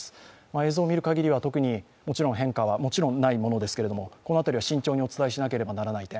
映像を見る限りはもちろん変化はないですが、この辺りは慎重にお伝えしなければならない点。